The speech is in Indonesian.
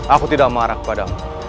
aku tidak marah padamu